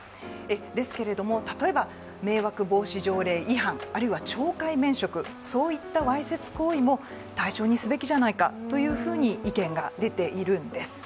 ですけれども例えば、迷惑防止条例違反あるいは懲戒免職そういったわいせつ行為も対象にすべきじゃないかという意見も出ているんです。